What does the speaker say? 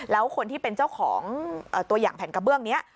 แล้วคนที่เป็นเจ้าของตัวอย่างแผ่นกระเบื้องนี้